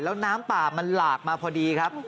แล้วน้ำป่ามันหลากมาพอดีครับ